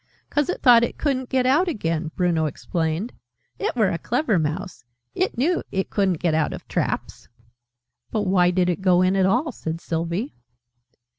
"'Cause it thought it couldn't get out again," Bruno explained. "It were a clever mouse. It knew it couldn't get out of traps!" "But why did it go in at all?" said Sylvie.